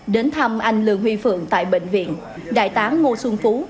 đến thăm anh lường huy phượng tại bệnh viện đại tá ngô xuân phú